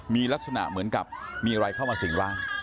มีลักษณะเหมือนกับมีอะไรเข้ามาสิ่งร่าง